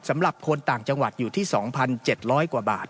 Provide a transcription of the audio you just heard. สำหรับคนต่างจังหวัดอยู่ที่๒๗๐๐กว่าบาท